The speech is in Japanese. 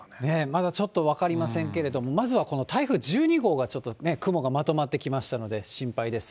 まだちょっと分かりませんけれども、まずはこの台風１２号がちょっと雲がまとまってきましたので、心配です。